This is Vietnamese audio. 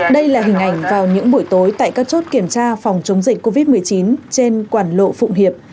đây là hình ảnh vào những buổi tối tại các chốt kiểm tra phòng chống dịch covid một mươi chín trên quản lộ phụng hiệp